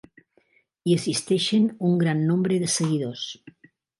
Hi assisteixen un gran nombre de seguidors.